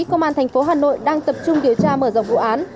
công an thành phố hà nội đang tập trung điều tra mở rộng vụ án